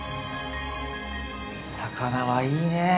魚はいいね。